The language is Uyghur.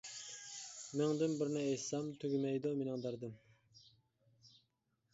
مىڭدىن بىرىنى ئېيتسام، تۈگىمەيدۇ، مېنىڭ دەردىم.